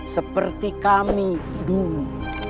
seperti kami dulu